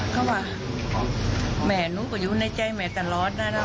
เขาว่าแม่หนูก็อยู่ในใจแม่ตลอดนะนะ